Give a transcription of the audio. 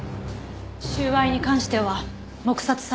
収賄に関しては黙殺されるんですね。